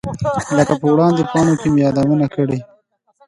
لکه په وړاندې پاڼو کې مې یادونه کړې.